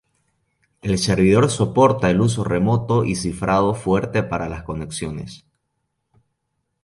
El servidor soporta el uso remoto y cifrado fuerte para las conexiones.